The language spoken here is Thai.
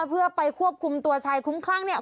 เพื่อไปควบคุมตัวชายคุ้มคลั่งเนี่ย